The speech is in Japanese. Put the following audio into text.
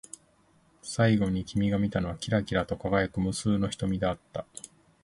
最後に君が見たのは、きらきらと輝く無数の瞳であった。